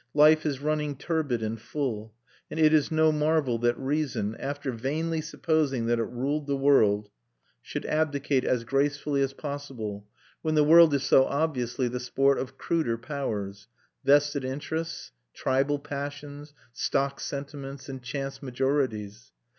Life is running turbid and full; and it is no marvel that reason, after vainly supposing that it ruled the world, should abdicate as gracefully as possible, when the world is so obviously the sport of cruder powers vested interests, tribal passions, stock sentiments, and chance majorities.